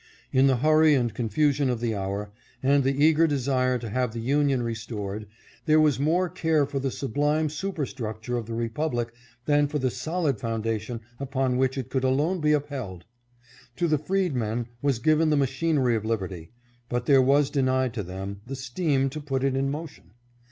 In the hurry and confusion of the hour, and the eager desire to have the Union restored, there was more care for the sublime superstructure of the republic than for the solid foundation upon which it could alone be upheld. To the freedmen was given the machinery of liberty, but there was denied to them the steam to put it in motion.